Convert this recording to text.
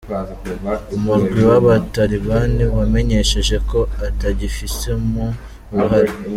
Umurwi w'aba Talibani wamenyesheje ko utagifisemwo uruhara.